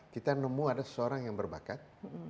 kita nemu ada seseorang yang berbakat